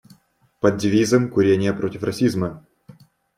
Под девизом: «Курение против расизма».